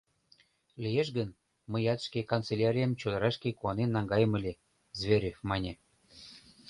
— Лиеш гын, мыят шке канцелярием чодырашке куанен наҥгаем ыле, — Зверев мане.